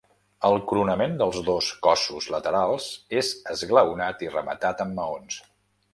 El coronament dels dos cossos laterals és esglaonat i rematat amb maons.